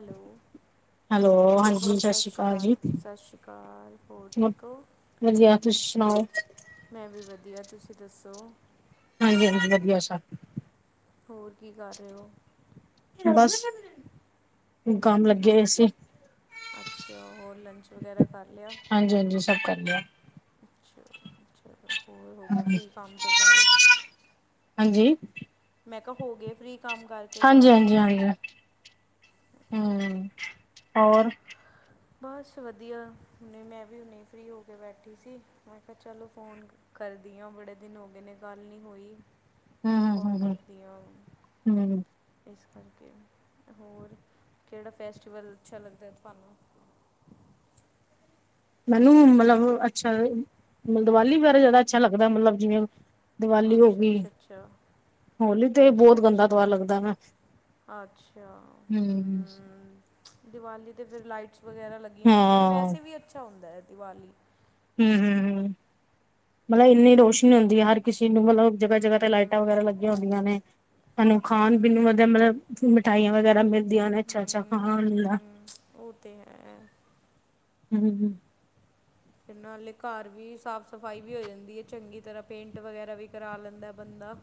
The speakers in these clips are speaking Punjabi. ਹੈਲੋ, ਹੈਲੋ ਹਾਂ ਸਸ ਰੀ ਕਾਲ, ਸਸ ਰੀ ਕਾਲ, ਹੋਰ ਠੀਕ ਹੋ। ਵਧੀਆ, ਤੁਸੀ ਸੁਣਾਓ ਮੈਂ ਵੀ ਵਧੀਆ, ਤੁਸੀਂ ਦੱਸੋ। ਹਾਂਜੀ- ਹਾਂਜੀ, ਵਧੀਆ ਸਭ। ਹੋਰ ਕੀ ਕਰ ਰਹੇ ਹੋ? ਬਸ, ਕੰਮ ਲੱਗੇ ਹੋਏ ਸੀ। ਅੱਛਾ, ਹੋਰ ਲੰਚ ਵਗੈਰਾ ਕਰ ਲਿਆ। ਹਾਂਜੀ- ਹਾਂਜੀ, ਸਭ ਕਰ ਲਿਆ। ਚਲੋ ਚਲੋ ਹੋਰ ਹੋ ਗਏ ਫ੍ਰੀ ਕੰਮ ਤੋਂ ਸਾਰੇ। ਹਾਂਜੀ, ਮੈਂ ਕਿਹਾ ਹੋ ਗਏ ਫਰੀ ਹਾਂਜੀ- ਹਾਂਜੀ- ਹਾਂਜੀ, ਹਮ, ਹੂੰ ਹੋਰ ਬਸ ਵਧੀਆ, ਹੁਣੇ ਮੈਂ ਵੀ ਹੁਣੇੇ ਫਰੀ ਹੋ ਕੇ ਬੈਠੀ ਸੀ, ਮੈਂ ਕਿਹਾ ਚਲੋ ਫੋਨ ਕਰਦੀ ਆਂ, ਬੜੇ ਦਿਨ ਹੋ ਗਏ ਨੇ ਗੱਲ ਨੀ ਹੋਈ, ਕੌਲ ਕਰਦੀ ਆਂ। ਮੈਨੂੰ ਇਸ ਕਰਕੇ, ਹੋਰ ਕਿਹੜਾ ਫੈਸਟੀਵਲ ਅੱਛਾ ਲੱਗਦਾ ਤੁਹਾਨੂੰ। ਮੈਨੂੰ ਮਤਲਬ ਅੱਛਾ, ਮਤਲਬ ਦੀਵਾਲੀ ਬਾਰੇ ਜ਼ਿਆਦਾ ਅੱਛਾ ਲੱਗਦਾ ਮਤਲਬ ਜਿਵੇਂ ਦੀਵਾਲੀ ਹੋ ਅੱਛਾ ਗਈ, ਅੱਛਾ ਅੱਛਾ ਹੋਲੀ ਤੇ ਅੱਛਾ ਬਹੁਤ ਗੰਦਾ ਅੱਛਾ ਤਿਉਹਾਰ ਲੱਗਦਾ ਵਾ। ਅੱਛਾ, ਹਮ ਹੂੰ ਦੀਵਾਲੀ ਤੇ ਫਿਰ ਲਾਈਟਸ ਵਗੈਰਾ ਲੱਗੀਆਂ ਹੁੰਦੀਆਂ ਨਾ, ਹਾਂ ਵੈਸੇ ਵੀ ਅੱਛਾ ਹੁੰਦਾ ਹੈ ਦੀਵਾਲੀ। ਹੂੰ- ਹੂੰ ਮਤਲਬ ਇੰਨੀ ਰੋਸ਼ਨੀ ਹੁੰਦੀ ਐ ਹਰ ਕਿਸੇ ਨੂੰ, ਮਤਲਬ ਜਗ੍ਹਾ ਜਗ੍ਹਾ ਤੇ ਲਾਈਟਾਂ ਹਮ ਵਗੈਰਾ ਲੱਗੀਆਂ ਹੁੰਦੀਆਂ ਨੇ। ਸਾਨੂੰ ਖਾਣ ਪੀਣ ਨੂੰ ਹਮ ਵਧੀਆ ਮਤਲਬ ਮਿਠਾਈਆਂ ਵਗੈਰਾ ਮਿਲਦੀਆਂ ਨੇ, ਅੱਛਾ- ਅੱਛਾ ਹਮ ਖਾਣ ਹਮ ਉਹ ਤੇ ਹੈ [unintelligible] ਨਾਲੇ ਘਰ ਵੀ ਸਾਫ਼ ਸਫਾਈ ਵੀ ਹੋ ਜਾਂਦੀ ਐ ਚੰਗੀ ਤਰ੍ਹਾਂ, ਪੇਂਟ ਵਗੈਰਾ ਵੀ ਕਰਾ ਲੈਂਦਾ ਬੰਦਾ।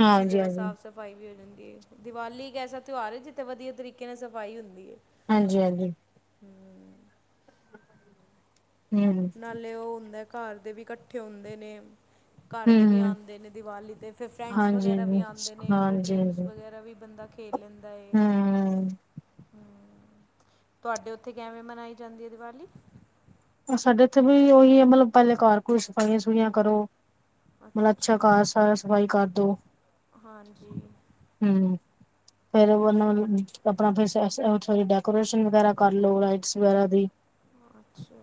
ਅੱਛੀ ਤਰ੍ਹਾਂ ਹਾਂਜੀ ਸਾਫ਼ ਸਫ਼ਾਈ ਵੀ ਹੋ ਜਾਂਦੀ ਏ, ਦੀਵਾਲੀ ਇੱਕ ਐਸਾ ਤਿਉਹਾਰ ਐ, ਜਿੱਥੇ ਵਧੀਆ ਤਰੀਕੇ ਨਾਲ ਸਫ਼ਾਈ ਹੁੰਦੀ ਐ। ਹਾਂਜੀ-ਹਾਂਜੀ। ਹੂੰ ਨਾਲੇ ਉਹ ਹੁੰਦਾ ਘਰ ਦੇ ਵੀ ਇਕੱਠੇ ਹੁੰਦੇ ਨੇ ਘਰ ਦੇ ਵੀ ਹੂੰ ਆਉਂਦੇ ਨੇ ਦਿਵਾਲੀ ਦੇ ਫਿਰ ਫਰੈਂਡਸ ਹਾਂਜੀ ਹਾਂਜੀ ਵਗੈਰਾ ਵੀ ਆਉਂਦੇ ਨੇ ਫਿਰ ਹਾਂਜੀ ਗੇਮਸ ਹਾਂਜੀ ਵਗੈਰਾ ਵੀ ਬੰਦਾ ਖੇਲਦਾ ਹੈ ਹੂੰ ਹਮ ਤੁਹਾਡੇ ਉੱਥੇ ਕਿਵੇਂ ਮਨਾਈ ਜਾਂਦੀ ਹੈ ਦੀਵਾਲੀ ਸਾਡੇ ਇੱਥੇ ਵੀ ਉਹੀ ਹੈ ਮਤਲਬ ਪਹਿਲੇ ਘਰ ਕੋਈ ਸਫਾਈਆਂ ਸਫੂਈਆਂ ਕਰੋ ਮਤਲਬ ਅੱਛਾ ਕਾਰ ਸ ਸਫ਼ਾਈ ਕਰਦੋ ਹਾਂਜੀ ਹਮ ਫੇਿਰ ਉਹਨਾਂ ਅੱਛਾ ਆਪਣਾ ਫ ਸੋਰੀ ਡੈਕੋਰੇਸ਼ਨ ਵਗੈਰਾ ਕਰ ਲੋ ਲਾਈਟਸ ਵਗੈਰਾ ਦੀ ਅੱਛਾ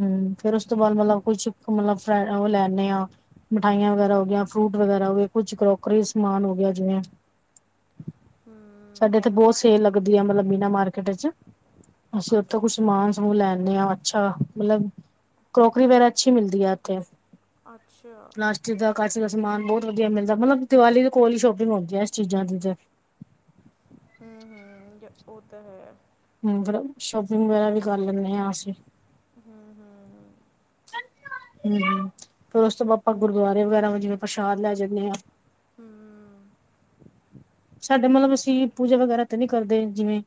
ਹਮ ਫੇਰ ਉਸ ਤੋਂ ਬਾਅਦ ਮਤਲਬ ਕੁੱਛ ਮਤਲਬ ਫ ਉਹ ਲੈਂਦੇ ਆਂ ਮਿਠਾਈਆਂ ਵਗੈਰਾ ਹੋਗਆਂ ਫਰੂਟ ਵਗੈਰਾ ਹੋ ਗਏ ਕੁਛ ਕਰੋਕਰੀ ਸਮਾਨ ਹੋ ਗਿਆ ਜਿਵੇਂ ਹੂੰ ਸਾਡੇ ਇੱਥੇ ਬਹੁਤ ਸੇਲ ਲੱਗਦੀ ਆ ਮਤਲਬ ਮੀਨਾ ਮਾਰਕੀਟ ਚ ਅਸੀਂ ਉੱ ਤਾਂ ਅੱਛਾ ਕੁਛ ਅੱਛਾ ਸਮਾਨ ਸਮੂਨ ਲੈਂਦੇ ਹਾਂ ਅੱਛਾ ਮਤਲਬ ਕਰੋਕਰੀ ਵਗੈਰਾ ਅੱਛੀ ਮਿਲਦੀ ਆਥੇ ਅੱਛਾ ਦਾ ਕੱਚ ਦਾ ਸਮਾਨ ਬਹੁਤ ਵਧੀਆ ਮਿਲਦਾ ਮਤਲਬ ਦੀਵਾਲੀ ਦੇ ਕੋਲ ਹੀ ਸ਼ੋਪਿੰਗ ਹੁੰਦੀ ਹੈ ਇਸ ਚੀਜ਼ਾਂ ਦੀ ਤੇ ਹਮ-ਹਮ ਉਹ ਤਾਂ ਹੈ ਮ ਮਤਲਬ ਸ਼ੋਪਿੰਗ ਵਗੈਰਾ ਵੀ ਕਰ ਲੈਂਦੇ ਹਾਂ ਅਸੀਂ ਹਮ-ਹਮ-ਹਮ ਹਮ ਹਮ ਫੇਰ ਉਸ ਤੋਂ ਬਾਅਦ ਆਪਾਂ ਗੁਰਦੁਆਰੇ ਵਗੈਰਾ ਜਿਵੇਂ ਪ੍ਰਸ਼ਾਦ ਲੈ ਜਾਂਦੇ ਹਾਂ ਹੂੰ ਸਾਡੇ ਮਤਲਬ ਅਸੀਂ ਪੂਜਾ ਵਗੈਰਾ ਤੇ ਨ ਨਹੀਂ ਕਰਦੇ ਜਿਵੇਂ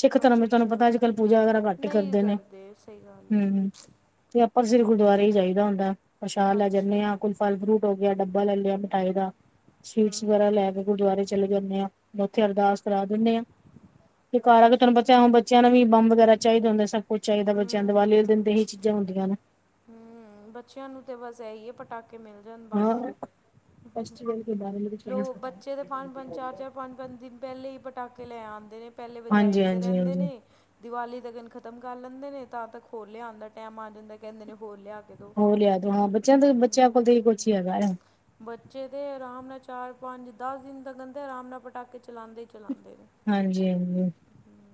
ਸਿੱਖ ਅੱਛਾ ਧਰਮ ਚ ਤੁਹਾਨੂੰ ਅੱਛਾ ਪਤਾ ਅੱਜ ਕੱਲ ਪੂਜਾ ਵਗੈਰਾ ਘੱਟ ਨਹੀਂ ਕਰਦੇ ਨੇ ਸਹੀ ਗੱਲ ਹਮ ਹੈ ਤੇ ਆਪਾਂ ਸਿਰ ਗੁਰਦੁਆਰੇ ਹੀ ਚਾਹੀਦਾ ਹੁੰਦਾ ਪਸ਼ਾਹ ਲੈ ਜਾਂਦੇ ਅੱਛਾ ਹਾਂ ਕੋਈ ਫਲ ਫਰੂਟ ਹੋ ਗਿਆ ਡੱਬਾ ਲੈ ਲਿਆ ਦਾ ਹੂੰ ਸਵੀਟਸ ਵਗੈਰਾ ਹੂੰ ਲੈ ਕੇ ਗੁਰਦਆਰੇ ਜਾਂਦੇ ਆ ਉੱਥੇ ਅਰਦਾਸ ਕਰਾ ਦਿੰਦੇ ਆਂ ਤੇ ਘਾਰ ਆ ਕੇ ਤੁਹਾਨੂੰ ਅੱਛਾ ਬੱਚਿਆ ਨੂੰ ਬ ਬੱਚਿਆਂ ਨੂੰ ਵੀ ਬੰਬ ਵਗੈਰਾ ਚਾਹੀਦਾ ਹੁੰਦਾ ਸਭ ਕੁੱਝ ਚਾਹੀਦਾ ਬੱਚਿਆਂ ਹੂੰ ਦੀਵਾਲੀ ਦੇ ਤੇ ਏਹੀ ਚੀਜ਼ਾਂ ਹੁੰਦੀਆਂ ਨੇ ਹਮ ਬੱਚਿਆਂ ਨੂੰ ਤਾਂ ਬਸ ਇਹੀ ਹੈ ਪਟਾਕੇ ਮਿਲ ਜਾਣ ਬਸ ਹਾਂ ਫੈਸਟੀਵਲ ਦੇ ਬਾਰੇ ਮੇਂ ਕੁਛ ਨਹੀਂ ਲੋਕ ਪਤਾ ਬੱਚੇ ਤਾਂ ਪੰਜ-ਪੰਜ ਚਾਰ-ਚਾਰ ਪੰਜ-ਪੰਜ ਦਿਨ ਪਹਿਲੇ ਹੀ ਪਟਾਕੇ ਲੈ ਆਉਂਦੇ ਨੇ ਪਹਿਲੇ ਹਾਂਜੀ ਵਜਾਈਦੇ ਹਾਂਜੀ ਰਹਿੰਦੇ ਹਾਂਜੀ ਨੇ ਦੀਵਾਲੀ ਦਾ ਦਿਨ ਖ਼ਤਮ ਕਰ ਲੈਂਦੇ ਨੇ ਤਾਂ ਤੱਕ ਹੋਰ ਲਿਆਉਣ ਦਾ ਟਾਈਮ ਆ ਜਾਂਦਾ ਕਹਿੰਦੇ ਨੇ ਹੋਰ ਲਿਆ ਕੇ ਦੋ ਹੋ ਲਿਆ ਦੋ ਹਾਂ ਬੱਚਿਆਂ ਤੋਂ ਬੱਚਿਆਂ ਕੋਲ ਤਾਂ ਏਹੀ ਕੁਛ ਹੀ ਹੈਗਾ ਬੱਚੇ ਤਾਂ ਆਰਾਮ ਨਾਲ ਚਾਰ ਪੰਜ ਦਸ ਦਿਨ ਤ ਕਿੰਦੇ ਆਰਾਮ ਨਾਲ ਪਟਾਕੇ ਚਲਉਦੇ ਹੀ ਚਲਉਦੇ ਨੇ ਹਾਂਜੀ-ਹਾਂਜੀ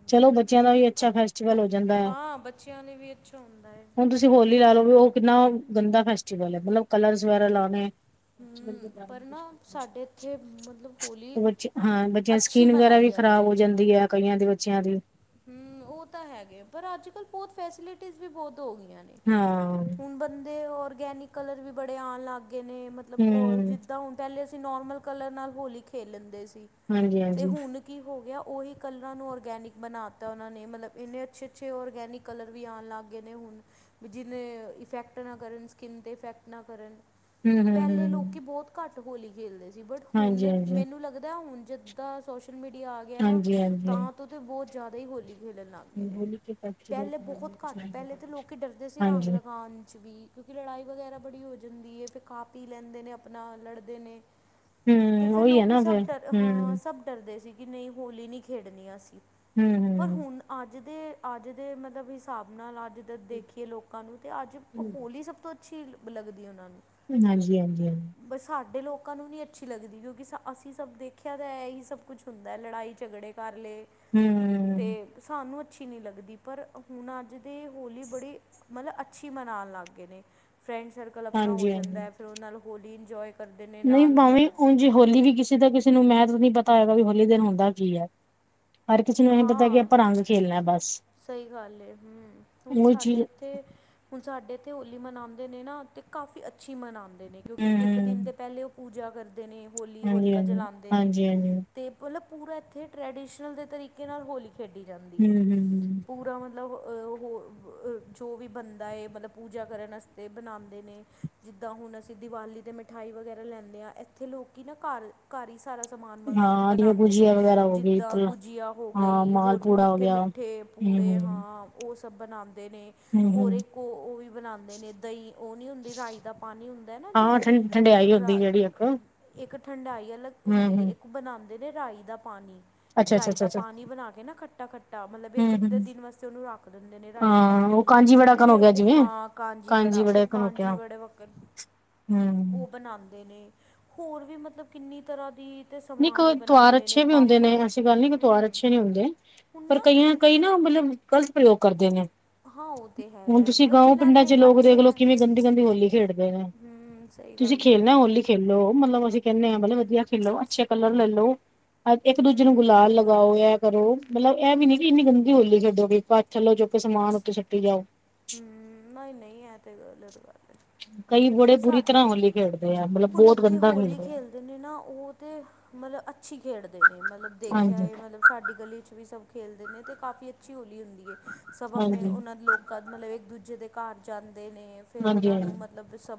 ਚਲੋ ਬੱਚਿਆਂ ਦਾ ਵੀ ਅੱਛਾ ਫੈਸਟੀਵਲ ਹੋ ਜਾਂਦਾ ਹਾਂ ਬੱਚਿਆਂ ਨੇ ਵੀ ਅੱਛਾ ਹੁੰਦਾ ਹੈ ਹੁਣ ਤੁਸੀਂ ਹੋਲੀ ਲਾ ਲਓ ਵੀ ਉਹ ਕਿੰਨਾ ਗੰਦਾ ਫੈਸਟੀਵਲ ਹੈ ਮਤਲਬ ਕਲਰ ਵਗੈਰਾ ਲਾਉਣੇ ਹੂੰ ਪਰ ਨਾ ਸਾਡੇ ਇੱਥੇ ਮਤਲਬ ਹੋਲੀ ਬੱਚੇ ਹਾਂ ਜਾਂ ਅੱਛੀ ਸਕਿਨ ਵਗੈਰਾ ਮਨਾਈ ਵੀ ਖਰਾਬ ਹੋ ਜਾਂਦੀ ਆ ਕਈਆਂ ਦੇ ਬੱਚਿਆਂ ਦੀ ਹਮ ਉਹ ਤਾਂ ਹੈਗੇ ਪਰ ਅੱਜ ਕੱਲ੍ਹ ਬਹੁਤ ਫੈਸਿਲਿਟੀਜ਼ ਵੀ ਬਹੁਤ ਹੋ ਗਈਆਂ ਨੇ ਹਾਂ ਹੁਣ ਬੰਦੇ ਔਰਗੈਨਿਕ ਕਲਰ ਵੀ ਬੜੇ ਆਉਣ ਲਾਗਗੇ ਨੇ ਮਤਲਬ ਉਹ ਹਮ ਜ ਤਾਂ ਹੁਣ ਪਹਿਲੇ ਅਸੀਂ ਨੋਰਮਲ ਕਲਰ ਨਾਲ ਹੋਲੀ ਖੇਲ ਲੈਂਦੇ ਸੀ ਹਾਂਜੀ ਤੇ ਹਾਂਜੀ ਹੁਣ ਕੀ ਹੋ ਗਿਆ ਉਹੀ ਕਲਰਾਂ ਨੂੰ ਔਰਗੈਨਿਕ ਬਣਾ ਤਾ ਉਹਨਾਂ ਨੇ ਮਤਲਬ ਇੰਨੇ ਅੱਛੇ-ਅੱਛੇ ਔਰਗੈਨਿਕ ਕਲਰ ਵੀ ਆਉਣ ਲੱਗ ਗਏ ਨੇ ਹੁਣ ਜਿਹਨੇ ਇਫੈਕਟ ਨਾ ਕਰਨ ਸਕਿੰਨ ਤੇ ਇਫੈਕਟ ਨਾ ਕਰਨ ਹਮ ਹਮ ਪਹਿਲੇ ਲੋਕੀ ਹਮ ਬਹੁਤ ਘੱਟ ਹੋਲੀ ਖੇਲਦੇ ਸੀ ਬਟ ਹਾਂਜੀ ਹੁਣ ਹਾਂਜੀ ਮੈਨੂੰ ਲੱਗਦਾ ਹੁਣ ਜਦ ਤਾਂ ਸੋਸ਼ਲ ਮੀਡੀਆ ਆ ਗਿਆ ਨਾ ਹਾਂਜੀ ਹਾਂਜੀ ਤਾਂ ਤੋਂ ਤਾਂ ਬਹੁਤ ਜ਼ਿਆਦਾ ਹੀ ਹੋਲੀ ਖੇਲਣ ਲ ਨੇ ਹੋਲੀ ਕੇ ਫੈਸਟੀਵਲ ਪਹਿਲੇ ਬਹੁਤ ਘੱਟ ਪਹਿਲੇ ਤਾਂ ਲੋਕ ਡਰਦੇ ਸੀ ਰੰਗ ਹਾਂਜੀ ਲਗਾਉਣ ਚ ਵੀ ਕਿਉਂਕਿ ਲੜਾਈ ਵਗੈਰਾ ਬੜੀ ਹੋ ਜਾਂਦੀ ਹੈ ਫਿਰ ਕਾਪੀ ਲੈਂਦੇ ਨੇ ਆਪਣਾ ਲੜਦੇ ਨੇ ਤੇ ਹਮ ਫਿਰ ਉਹੀ ਹੈ ਲੋਕ ਨਾ ਸਭ ਫਿਰ ਡਰ ਹਾਂ ਹਮ ਸਭ ਡਰਦੇ ਸੀ ਕਿ ਨਹੀਂ ਹੋਲੀ ਨਹੀਂ ਖੇਡਣੀ ਅਸੀਂ ਹਮ-ਹਮ ਪਰ ਹੁਣ, ਅੱਜ ਦੇ, ਅੱਜ ਦੇ ਮਤਲਬ, ਹਿਸਾਬ ਨਾਲ ਅੱਜ ਦੇਖੀਏ ਲੋਕਾਂ ਨੂੰ, ਤੇ ਅੱਜ ਹੋਲੀ, ਸਭ ਤੋਂ ਅੱਛੀ ਲੱਗਦੀ ਉਹਨਾਂ ਨੂੰ। ਹਾਂਜੀ-ਹਾਂਜੀ, ਹਾਂ ਬ ਸਾਡੇ ਲੋਕਾਂ ਨੂੰ ਨਹੀਂ, ਅੱਛੀ ਲੱਗਦੀ ਕਿਉਂਕਿ, ਸ ਅਸੀਂ ਸਭ ਦੇਖਿਆ, ਤਾਂ ਹੀ ਸਭ ਕੁਝ ਹੂੰਦਾ ਏ। ਲੜਾਈ, - ਝਗੜੇ ਕਰ ਲਏ। ਹੂੰ। ਤੇ ਸਾਨੂੰ ਅੱਛੀ ਨਹੀਂ ਲੱਗਦੀ। ਪਰ ਹੁਣ, ਅੱਜ ਦੇ ਹੋਲੀ ਬੜੀ ਮਤਲਬ ਅੱਛੀ, ਮਨਾਉਣ ਲੱਗ ਗਏ ਨੇ। ਫਰੈਂਡ ਸਰਕਲ ਆਪਣਾ ਹੋ ਹਾਂਜੀ ਹਾਂਜੀ ਜਾਂਦਾ ਏ। ਫੇਰ ਉਹਨਾਂ ਨੂੰ ਹੋਲੀ ਇੰਜੋਏ ਕਰਦੇ ਨੇ ਨਹੀਂ ਨਾਲ ਭਾਵੇਂ ਮਤਲਬ ਹੂਂਜ, ਹੋਲੀ ਵੀ ਕਿਸੇ ਦਾ ਕਿਸੇ ਨੂੰ, ਮੈਂ ਤਾਂ ਨਹੀਂ, ਪਤਾ ਹੈਏਗਾ ਵੀ, ਹੋਲੀ ਦਿਨ ਹੁੰਦਾ ਕੀ ਹੈ। ਹਰ ਕਿਸੇ ਨੂੰ, ਇਹ ਪਤਾ ਕਿ, ਹਾਂ ਆਪਾਂ ਰੰਗ ਖੇਲਣਾ ਬਸ। ਸਹੀ ਗੱਲ ਹੈ। ਹੂੰ, ਹੁਣ ਉਹੀ ਚੀਜ਼ ਸਾਡੇ ਇੱਥੇ ਹੁਣ ਸਾਡੇ ਇੱਥੇ ਹੋਲੀ, ਮਨਾਉਂਦੇ ਨੇ ਨਾ, ਅਤੇ ਕਾਫੀ ਅੱਛੀ ਮਨਾਉਂਦੇ ਨੇ। ਕਿਉਂਕਿ ਹੂੰ ਇੱਕ ਦਿਨ, ਹੂੰ ਤਾਂ ਪਹਿਲੇ ਉਹ ਪੂਜਾ ਕਰਦੇ ਨੇ। ਹੋਲੀ ਹਾਂਜੀ ਹੋਲਿਕਾ ਹਾਂਜੀ ਜਲਉਂਦੇ ਨੇ। ਹਾਂਜੀ ਹਾਂਜੀ ਹੂੰ ਤੇ ਮਤਲਬ ਪੂਰਾ ਇੱਥੇ, ਟਰੈਡੀਸ਼ਨਲ ਦੇ ਤਰੀਕੇ, ਨਾਲ ਹੋਲੀ ਖੇਡੀ ਜਾਂਦੀ ਹੈ। ਹੂੰ ਹੂੰ ਪੂਰਾ ਮਤਲਬ, ਉਹ ਜੋ ਵੀ ਬੰਦਾ ਹੈ। ਏ ਮਤਲਬ ਪੂਜਾ ਕਰਨ ਵਾਸਤੇ ਬਨਉਂਦੇ ਨੇ। ਜਿੱਦਾਂ ਹੁਣ ਅਸੀਂ, ਦੀਵਾਲੀ ਤੇ ਮਿਠਾਈ ਵਗੈਰਾ, ਲੈਂਆਦੇ ਹਾਂ। ਇੱਥੇ ਲੋਕੀ ਨਾ ਘਰ ਘਰ ਹੀ, ਸਾਰਾ ਸਮਾਨ ਬਗਾ ਹਾਂ ਜਿਵੇਂ ਬਣਾਉਂਦੇ ਨੇ। ਗੁਜੀਆ ਵਗੈਰਾ ਹੋ ਗਈ ਜਿੱਦਾਂ ਗੁਜੀਆ ਹੋ ਹਾਂ ਗਈ। ਮਾਲ ਹੋਰ ਵੀ, ਪੂੜਾ ਹੋ ਮਿੱਠੇ- ਗਿਆ। ਮਿੱਠੇ ਹੂੰ ਪੂੜੇ ਹੂੰ ਹਾਂ। ਉਹ ਸਭ ਬਣਾਉਂਦੇ ਨੇ। ਹੂੰ ਹੂੰ ਹੋਰ ਕੋ ਉਹ ਵੀ, ਬਣਾਉਂਦੇ ਨੇ, ਦਹੀਂ ਉਹ ਨੀ ਹੁੰਦੀ, ਰਾਈ ਦਾ ਪਾਣੀ ਹੁੰਦਾ ਨਾ। ਜੋ ਹਾਂ ਠ ਠੰਡਿਆਈ, ਉਦੀ ਰਾ ਜਿਹੜੀ ਇੱਕ। ਇੱਕ ਠੰਡਾਈ ਅੱਲਗ ਹੂੰ ਹੁੰਦੀ ਹੈ। ਹੂੰ ਇੱਕ ਬਣਾਉਦੇ ਨੇ ਰਾਹੀਂ ਦਾ ਪਾਣੀ। ਅੱਛਾ ਅੱਛਾ ਰਹੀਂ ਅੱਛਾ ਦਾ ਅੱਛਾ ਬਣਾ ਪਾਣੀ ਦੇ ਨਾ, ਖੱਟਾ- ਖੱਟ। ਟਾ ਮਤਲਬ ਹੂੰ ਇੱਕ, ਅੱਧੇ ਹੂੰ ਦਿਨ ਵਾਸਤੇ ਉਹਨੂੰ, ਰੱਖ ਦਿੰਦੇ ਨੇ, ਰਾਈ ਦੇ ਹਾਂ ਪਾਣੀ ਉਹ ਨੂੰ, ਕਾਂਜੀ ਵੜਾ ਕਨ ਹੋ ਫੇਰ ਗਿਆ ਉਹ ਜਿਵੇਂ ਹਾਂ ਕਾਂਜੀ ਬੜਾ, ਉਹ ਵੜਾ ਕਨ ਹੋ ਕਾਂਜੀ ਗਿਆ ਵੜੇ ਵੱਕਨ, ਹੂੰ ਉਹ ਬਣਾਉਦੇ ਨੇ। ਹੋਰ ਵੀ, ਮਤਲਬ ਕਿੰਨੀ ਤਰਾਂ ਦੀ ਤੇ ਨੀ ਸਮਾਨ ਹੀ ਕੋਈ ਤੁਵਾਰ, ਬਣਾਉਂਦੇ ਅੱਛੇ ਵੀ ਹੁੰਦੇ ਨੇ। ਪਾਪੜ ਐਸੀ ਗੱਲ ਨੀ। ਤਿਉਹਾਰ ਹੂੰ ਅੱਛੇ ਵੀ ਹੁੰਦੇ ਹੈ। ਹੁਣ ਪਰ ਨਾ ਐ ਕਈਆਂ ਕਈ ਨਾ, ਮਤਲਬ ਗ਼ਲਤ ਪ੍ਰਯੋਗ ਕਰਦੇ ਨੇ। ਹਾਂ ਉਹ ਤਾਂ ਹੁਣ ਹੈਗਾ ਤੁਸੀਂ ਮ ਗਾਉ, ਜਿਨ੍ਹਾਂ ਪਿੰਡਾਂ ਨੇ ਚ ਲੋਕ ਅੱਛੇ ਦੇਖਲਓ, ਲੈਣ ਕਿਵੇਂ ਗੰਦੀ- ਗੰਦੀ ਹੋਲੀ ਖੇਡਦੇ ਨੇ। ਹੂੰ ਸਹੀ ਤੁਸੀਂ ਗੱਲ ਖੇਲਣਾ ਹੈ, ਹੋਲੀ ਖੇਲੋ, ਮਤਲਬ ਅਸੀਂ ਕਹਿੰਦੇ ਹਾਂ, ਮਤਲਬ ਹੂੰ ਵਧੀਆ ਖੇਲੋ। ਅੱਛੇ ਕਲਰ ਲੈ, ਲੋ। ਇੱਕ ਦੂਜੇ ਨੂੰ, ਹੂੰ ਗੁਲਾਲ ਸਹੀ ਗੱਲ ਲਗਾਓ। ਹੈ। ਏ ਕਰੋ। ਮਤਲਬ ਇਹ ਵੀ, ਨੀ ਕਿ ਇੰਨੀ ਗੰਦੀ ਹੋਲੀ ਖੇਡੋਗੇ। ਆਪ ਥੱਲੋਂ ਚੁੱਕ, ਸਮਾਨ ਉੱਤੇ ਸੁੱਟੀ ਜਾਓ। ਹੂੰ। ਨਹੀਂ- ਨਹੀਂ, ਇਹ ਤੇ ਗੱਲਤ ਗਲ ਐ। ਕਈ ਬੜੇ ਬੁਰੀ, ਤਰਾਂ ਹੋਲੀ ਖੇਡਦੇ ਆ। ਮਤਲਬ ਬਹੁਤ ਗੰਦਾ ਖੇਡਦੇ ਆ। ਕਿਨੇ ਨਾ ਉਹ ਤੇ, ਮਤਲਬ ਅੱਛੀ ਖੇਡਦੇ ਨੇ। ਮਤਲਬ ਦੇਖਿਆ ਹਾਂਜੀ ਮਤਲਬ ਸਾਡੀ ਗਲੀ ਚ ਵੀ, ਸਭ ਖੇਲਦੇ ਨੇ ਤੇ, ਕਾਫੀ ਅੱਛੀ ਹੋਲੀ ਹੁੰਦੀ ਹੈ। ਸਭ ਆਪਣੇ ਹਾਂਜੀ ਉਹਨਾਂ ਦੇ ਲੋਕ ਕ ਮਤਲਬ ਇੱਕ, ਦੂਜੇ ਦੇ ਘਰ ਜਾਂਦੇ ਨੇ। ਫੇਰ ਹਾਂਜੀ ਉਹਨਾਂ ਨੂੰ ਮ ਹਾਂਜੀ ਮਤਲਬ ਸਭ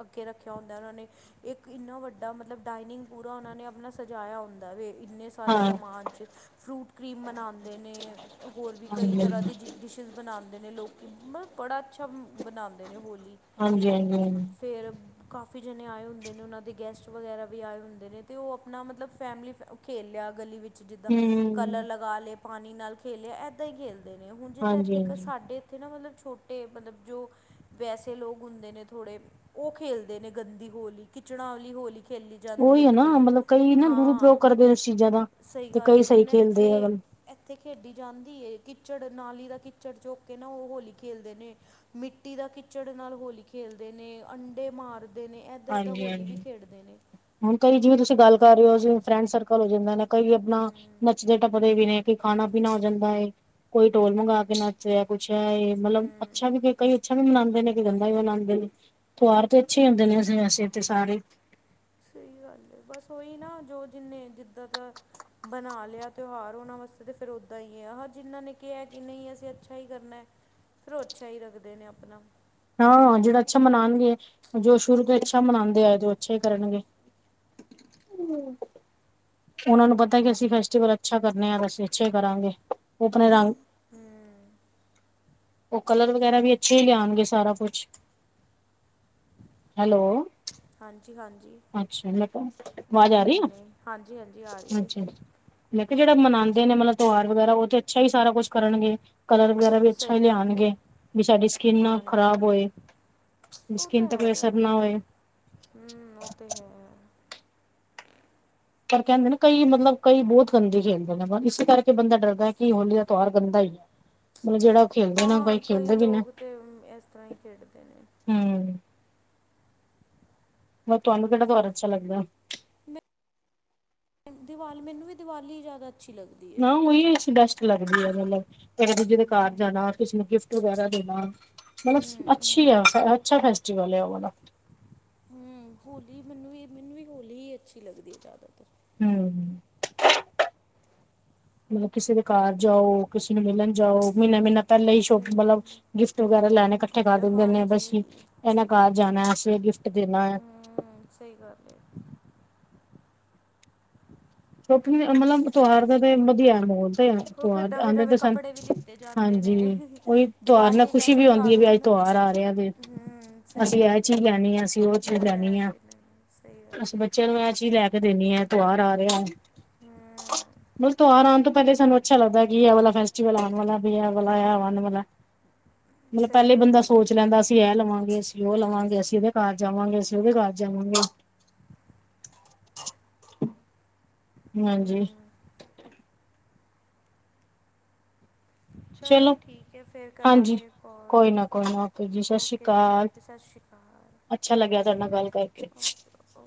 ਅੱਗੇ, ਰੱਖਿਆ ਹੁੰਦਾ। ਉਹਨਾਂ ਨੇ ਇੱਕ ਇੰਨਾ ਵੱਡਾ, ਮਤਲਬ ਡਾਇਨਿੰਗ ਪੂਰਾ, ਉਹਨਾਂ ਨੇ ਆਪਣਾ, ਸਜਾਇਆ ਹੁੰਦਾ ਵੇ। ਇੰਨੇ ਸਾਰੇ ਹਾਂ ਸਮਾਨ ਚ, ਫਰੂਟ ਕਰੀਮ ਬਨਾਉਂਦੇ ਨੇ। ਹੋਰ ਵੀ ਕਈ ਹਾਂਜੀ ਹਾਂਜੀ ਤਰਾਂ ਦੀ, ਹਾਂਜੀ ਜ ਡਿਸ਼ਿਜ਼ ਬਣਾਉਂਦੇ ਨੇ ਲੋਕੀ। ਮਤਲਬ ਬੜਾ ਅੱਛਾ ਬਣਾਉਂਦੇ ਨੇ ਹੋਲੀ। ਹਾਂਜੀ- ਹਾਂਜੀ, ਹ ਫੇਰ ਕਾਫੀ ਜਣੇ ਆਏ ਹੁੰਦੇ ਨੇ। ਉਹਨਾਂ ਦੇ ਗੈਸਟ ਵਗੈਰਾ ਵੀ, ਆਏ ਹੁੰਦੇ ਨੇ। ਤੇ ਉਹ ਆਪਣਾ ਮਤਲਬ ਫੈਮਿਲੀ ਫੈ ਖੇਲਿਆ, ਗਲੀ ਵਿੱਚ ਜਿੱਦਾਂ ਕਲਰ ਹੂੰ, ਲਗਾ ਲਏ, ਪਾਣੀ ਨਾਲ ਖੇਲਿਆ, ਏਦਾਂ ਹੀ ਖੇਲਦੇ ਨੇ। ਹੁਣ ਜਿੱਥਾਂ ਇੱਥੇ ਕ ਹਾਂਜੀ-ਹਾਂਜੀ ਸਾਡੇ ਣਿਥੇ ਨਾ ਮਤਲਬ, ਛੋਟੇ ਮਤਲਬ ਜੋ ਵੈਸੇ ਲੋਕ ਹੁੰਦੇ ਨੇ ਥੋੜੇ। ਉਹ ਖੇਲਦੇ ਨੇ, ਗੰਦੀ ਹੋਲੀ ਕਿਚੜਾਂ ਵਾਲੀ ਹੋਲੀ। ਖੇਲੀ ਜਾਂਦੀ ਏ ਉਹੀ ਹੈ ਇੱਕ ਨਾ ਦਿਨ। ਮਤਲਬ ਕਈ ਨਾ ਹਾਂ, ਦੁਰਉਪਯੋਗ ਕਰਦੇ ਉਸ ਚੀਜ਼ਾਂ ਦਾ ਸਹੀ ਤੇ ਗੱਲ ਕਈ ਹੈ। ਸਹੀ ਹੁਣ ਖੇਲਦੇ ਇੱਥੇ ਆ ਗੱਲ ਇੱਥੇ ਖੇਡੀ ਜਾਂਦੀ ਹੈ। ਕਿੱਚੜ, ਨਾਲੀ ਦਾ ਕਿੱਚੜ ਚੂਕ ਕੇ ਨਾ, ਉਹ ਹੋਲੀ ਖੇਡਦੇ ਨੇ। ਮਿੱਟੀ ਦਾ ਖਿੱਚੜ ਨਾਲ ਹੋਲੀ ਖੇਲਦੇ ਨੇ ਅੰਡੇ ਮਾਰਦੇ ਨੇ ਇੱਦਾਂ ਇੱਦਾਂ ਹੋਲੀ ਵੀ ਹਾਂਜੀ-ਹਾਂਜੀ। ਖੇਡਦੇ ਨੇ ਹੁਣ ਕਈ ਜਿਵੇਂ ਤੁਸੀਂ ਗੱਲ ਕਰ ਰਹੇ ਹੋ ਜਿਂ ਫਰੈਂਡ ਸਰਕਲ ਹੋ ਜਾਂਦਾ ਕਈ ਆਪਣਾ ਹੂੰ ਨੱਚਦੇ ਟੱਪਦੇ ਵੀ ਨੇ ਕਈ ਖਾਣਾ ਪੀਣਾ ਹੋ ਜਾਂਦਾ ਹੈ ਕੋਈ ਢੋਲ ਮੰਗਾ ਕੇ ਨ ਕੁਛ ਹੈ ਮਤਲਬ ਹੂੰ ਅੱਛਾ ਵੀਈ ਕਈਏ ਅੱਛਾ ਵੀ ਮਨਾਉਂਦੇ ਨੇ। ਕਣੀ ਗੰਦਾ ਵੀ ਮਨਾਉਂਦੇ ਨੇ, ਤਿਓਹਾਰ ਤੇ ਅੱਛੇ ਹੀ ਹੁੰਦੇ ਨੇ, ਵੈਸੇ ਤੇ ਸਾਰੇ। ਸਹੀ ਗੱਲ ਹੈ। ਬਸ ਉਹੀ ਨਾ, ਜੋ ਜਿੰਨੇ ਜਿੱਦਾਂ ਦਾ। ਬਣਾ ਲਿਆ ਤਿਉਹਾਰ ਉਹਨਾਂ ਵਾਸਤੇ ਤਾਂ ਫਿਰ ਉਦਾਂ ਹੀ ਹੈ ਆ ਹਾਂ ਜਿਹਨਾਂ ਨੇ ਕਿਹਾ ਕਿ ਨਹੀਂ ਅਸੀਂ ਅੱਛਾ ਹੀ ਕਰਨਾ ਹੈ। ਫਿਰ ਉਹ ਅੱਛਾ ਹੀ ਰੱਖਦੇ ਨੇ ਆਪਣਾ ਹਾਂ ਜਿਹੜਾ ਅੱਛਾ ਮਨਾਉਣਗੇ ਜੋ ਸ਼ੁਰੂ ਤੋਂ ਅੱਛਾ ਮਨਾਉਂਦੇ ਆ ਜੋ ਅੱਛਾ ਕਰਨਗੇ ਹੂ,,, ਉਹਨਾਂ ਨੂੰ ਪਤਾ ਕਿ ਅਸੀਂ ਫੈਸਟੀਵਲ ਅੱਛਾ ਕਰਨੇ ਹਾਂ ਅਸੀਂ ਅੱਛੇ ਹੀ ਕਰਾਂਗੇ ਉਹ ਆਪਣੇ ਰੰਗ ਹੂ,,, ਉਹ ਕਲਰ ਵਗੈਰਾ ਵੀ ਅੱਛੇ ਲਿਆਉਣਗੇ ਸਾਰਾ ਕੁਛ ਹੈਲੋ ਹਾਂਜੀ ਹਾਂਜੀ ਅੱਛਾ ਮੈਂ ਕੇ ਆਵਾਜ਼ ਆ ਰਹੀ ਨਹੀਂ ਨਹੀਂ ਹਾਂਜੀ ਹਾਂਜੀ ਆ ਹਾਂ ਰਹੀ ਹੈ ਅੱਛਾ ਲੇਕਿਨ ਜਿਹੜੇ ਮਨਾਉਂਦੇ ਨੇ ਮਤਲਬ ਤਿਉਹਾਰ ਵਗੈਰਾ ਉਹ ਤੇ ਅੱਛਾ ਹੀ ਸਾਰਾ ਕੁਛ ਕਰਨਗੇ ਕਲਰ ਵਗੈਰਾ ਵੀ ਅੱਛਾ ਹੀ ਸਹੀ ਗੱਲ ਹੈ ਲਿਆਉਣਗੇ ਵੀ ਸਾਡੀ ਸਕਿੰਨ ਨਾ ਖ਼ਰਾਬ ਹਾਂਜੀ ਹੋਏ ਉਹ ਸਕਿੰਨ ਤਾਂ ਤੇ ਕੋਈ ਹੈਗਾ ਅਸਰ ਨਾ ਹੋਏ ਹੂ ਉਹ ਤਾਂ ਹੈ। ਪਰ ਕਹਿੰਦੇ ਨਾ ਕਈ ਮਤਲਬ ਕਈ ਬਹੁਤ ਗੰਦੇ ਖੇਲਦੇ ਨੇ ਇਸੇ ਕਰਕੇ ਬੰਦਾ ਡਰਦਾ ਕੀ ਹੋਲੀ ਦਾ ਤਿਉਹਾਰ ਗੰਦਾ ਹੀ ਹੈ। ਮਤਲਬ ਜਿਹੜਾ ਉਹ ਖੇਲਦੇ ਨਾ ਉਹ ਕਈ ਹਾਂ ਖੇਲਦੇ ਵੀ ਨਾ ਲੋਕ ਤੇ ਅਮ, ਇਸ ਤਰ੍ਹਾਂ ਹੀ ਖੇਡਦੇ ਨੇ ਹੂ ਹੋਰ ਤੁਹਾਨੂੰ ਕਿਹੜਾ ਤਿਉਹਾਰ ਅੱਛਾ ਲੱਗਦਾ ਦੀਵਾਲ ਮੈਨੂੰ ਵੀ ਦੀਵਾਲੀ ਜ਼ਿਆਦਾ ਅੱਛੀ ਲੱਗਦੀ ਹੈ ਨਾ ਉਹੀ ਅ ਬੈਸਟ ਲਾਈਫ ਹੈ [unintelligible] ਇੱਕ ਦੂਜੇ ਦੇ ਘਰ ਹੂੰ ਜਾਣਾ ਕਿਸੇ ਨੂੰ ਗਿਫਟ ਵਗੈਰਾ ਦੇਣਾ ਮਤਲਬ ਹੂੰ ਅੱਛੀ ਆ ਹੋਲੀ ਅੱਛਾ ਫੈਸਟੀਵਲ ਉਹ ਵਾਲਾ ਹੂ ਹੋਲੀ ਮੈਨੂੰ ਵੀ ਮੈਨੂੰ ਵੀ ਹੋਲੀ ਹੀ ਅੱਛੀ ਲੱਗਦੀ ਹੈ ਜ਼ਿਆਦਾਤਰ ਹੂ,,, ਮਤਲਬ ਕਿਸੇ ਦੇ ਘਰ ਜਾਓ ਕਿਸੇ ਨੂੰ ਮਿਲਣ ਜਾਓ ਮਹੀਨਾ ਮਹੀਨਾ ਪਹਿਲਾਂ ਹੀ ਸਹੀ ਸ਼ੋਪਿੰਗ ਵਾਲਾ ਗੱਲ ਗਿਫਟ ਹੈ ਵਗੈਰਾ ਲੈਣੇ ਇਕੱਠੇ ਕਰ ਗਿਫਟ ਦਿੰਦੇ ਨੇ ਹਾਂਜੀ ਬਸਤੀ ਇਹਨਾਂ ਘਰ ਜਾਣਾ ਅਸੀਂ ਗਿਫਟ ਦੇਣਾ ਹੈ। ਹਾਂ ਸਹੀ ਗੱਲ ਹੈ। ਕਿਉਂਕਿ ਮਤਲਬ ਤਿਉਹਾਰ ਦਾ ਦਿਨ ਵਧੀਆ ਹੈ ਮਾਹੌਲ ਤੇ ਉਹ ਫਿਰ ਤਿਉਹਾਰ ਨਵੇਂ ਆਉਂਦੇ ਤੇ ਨਵੇਂ ਸਨ ਕੱਪੜੇ ਵੀ ਲਿੱਤੇ ਜਾਂਦੇ ਹਾਂਜੀ ਨੇ ਉਹੀ ਤਿਉਹਾਰ ਨਾਲ ਦੀਵਾਲੀ ਇੱਕ ਖੁਸ਼ੀ ਵੀ ਐਸਾ ਆਉਂਦੀ ਤਿਉਹਾਰ ਹੈ ਵੀ ਅੱਜ ਹੁੰਦਾ ਤਿਉਹਾਰ ਆਰ ਆ ਹੂੰ ਸਹੀ ਅਸੀਂ ਇਹ ਗੱਲ ਹੈ ਚੀਜ਼ ਲੈਣੀ ਆ ਅਸੀਂ ਉਹ ਲੈ ਚੀਜ਼ ਯਾਰ ਲੈਣੀ ਆ ਛੱਡਣ ਸਹੀ ਗੱਲ ਅਸੀਂ ਬ ਬੱਚਿਆਂ ਨੂੰ ਇਹ ਚੀਜ਼ ਲੈ ਕੇ ਦੇਣੀ ਆ ਤਿਉਹਾਰ ਆ ਰਿਹਾ ਹੂ,,, ਮਤਲਬ ਤਿਉਹਾਰ ਆਉਣ ਤੋਂ ਪਹਿਲੇ ਸਾਨੂੰ ਅੱਛਾ ਲੱਗਦਾ ਕਿ ਇਹ ਵਾਲਾ ਫੈਸਟੀਵਲ ਆਉਣ ਵਾਲਾ ਕੀਆ ਬਣਾਇਆ ਵਨ ਬਣਾਏ ਮਤਲਬ ਸਹੀ ਪਹਿਲ ਗੱਲ ਬੰਦਾ ਹੈ ਸੋਚ ਲੈਂਦਾ ਅਸੀਂ ਇਹ ਲਵਾਂਗੇ ਅਸੀਂ ਉਹ ਲਵਾਂਗੇ ਅਸੀਂ ਉਹਦੇ ਘਰ ਜਾਵਾਂਗੇ ਅਸੀਂ ਉਹਦੇ ਘਰ ਜਾਵਾਂਗੇ ਹਾਂਜੀ ਹੂ,,, ਚਲੋ ਠੀਕ ਹੈ ਫਿਰ ਹਾਂਜੀ। ਕਰਾਂਗੇ ਕੋਲ ਕੋਈ ਨਾ ਕੋਈ ਨਾ ਓਕੇ ਜੀ ਸਤਿ ਸ਼੍ਰੀ ਓਕੇ ਜੀ ਅਕਾਲ ਓਕੇ ਸਤਿ ਸ਼੍ਰੀ ਅਕਾਲ ਅੱਛਾ ਲੱਗਿਆ ਤੁਹਾਡੇ ਨਾਲ ਗੱਲ ਕਰਕੇ ਦੱਸੋ